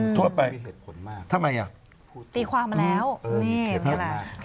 ทั่วไปทำไมอ่ะตีความมาแล้วเน่มีเขตมาก